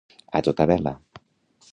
A tota vela.